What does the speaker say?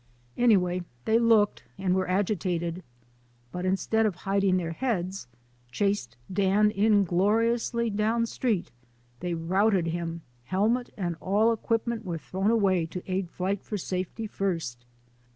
Anyway, they looked and were agitated, but, instead of hiding their heads, chased Dan ingloriously down street; they routed him; helmet and all equipment were thrown away to aid flight for safety first.